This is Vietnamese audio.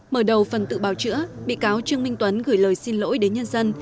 mở đầu phần tự bào chữa bị cáo trương minh tuấn gửi lời xin lỗi đến nhân dân